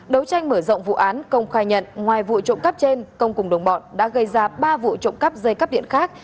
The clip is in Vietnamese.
đấu tranh mở rộng vụ án công khai nhận ngoài vụ trộm cắp trên công cùng đồng bọn đã gây ra ba vụ trộm cắp dây cắp điện khác